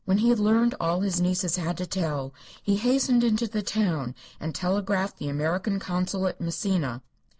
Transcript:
When he had learned all the nieces had to tell he hastened into the town and telegraphed the American consul at Messina.